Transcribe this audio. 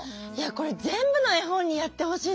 これ全部の絵本にやってほしいですね。